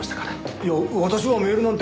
いや私はメールなんて。